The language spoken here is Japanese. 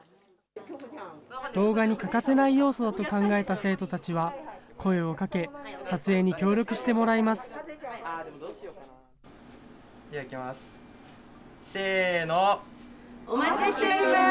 動画に欠かせない要素だと考えた生徒たちは、声をかけ、撮影に協では、いきます。